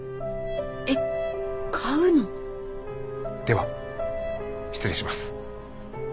えっ買うの？では失礼します。